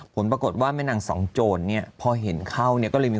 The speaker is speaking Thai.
ผลปรากฏว่าแม่นางสองโจรเนี่ยพอเห็นเข้าเนี่ยก็เลยมี